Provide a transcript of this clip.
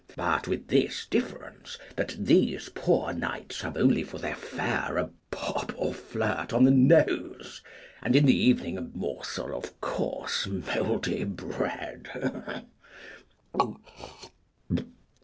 But with this difference, that these poor knights have only for their fare a bob or flirt on the nose, and in the evening a morsel of coarse mouldy bread.